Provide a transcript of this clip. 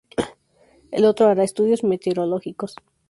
El otro hará estudios meteorológicos.